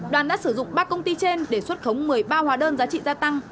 đoàn đã sử dụng ba công ty trên để xuất khống một mươi ba hóa đơn giá trị gia tăng